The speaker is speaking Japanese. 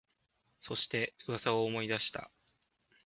そして、噂を思い出した